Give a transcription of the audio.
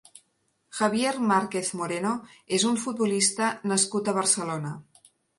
Javier Márquez Moreno és un futbolista nascut a Barcelona.